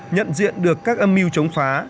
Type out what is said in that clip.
nhận diện được các âm mưu chống phá